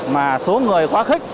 mà số người quá khích